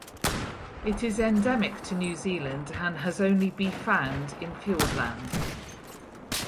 It is endemic to New Zealand and has only be found in Fiordland.